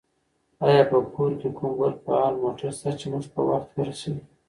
آیا په کور کې کوم بل فعال موټر شته چې موږ په وخت ورسېږو؟